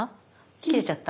切れちゃった？